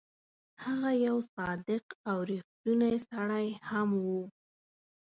هغه یو صادق او ریښتونی سړی هم وو.